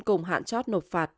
cùng hạn chót nộp phạt